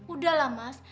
udah lah mas